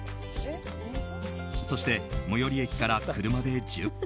そして、最寄り駅から車で１０分。